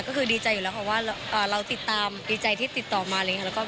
ก็คือดีใจอยู่แล้วค่ะว่าเราติดตามดีใจที่ติดต่อมาอะไรอย่างนี้